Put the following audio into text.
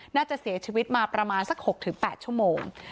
น่าจะเสียชีวิตมาประมาณสัก๖๘ชั่วโมง